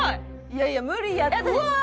いやいや無理やうわー！